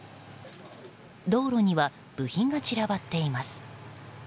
道路には部品が散らばっています。